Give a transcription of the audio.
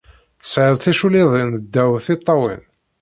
Tesɛid ticulliḍin ddaw tiṭṭawin.